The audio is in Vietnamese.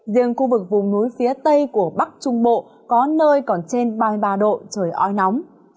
riêng khu vực vùng núi phía tây của bắc trung bộ có nơi còn trên ba mươi ba độ trời oi nóng